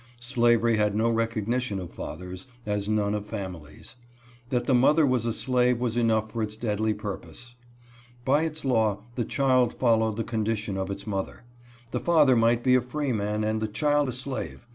Slavery had no recog nition of fathers, as none of families. That the mother was a slave was enough for its deadly purpose. By its 28 RELATIONS OF FATHER TO HIS CHILDREN. law the child followed the condition of its mother. The father might be a freeman and the child a slave.